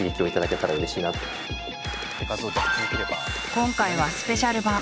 今回はスペシャル版！